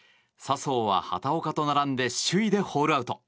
生は畑岡と並んで首位でホールアウト。